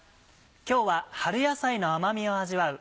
今日は春野菜の甘みを味わう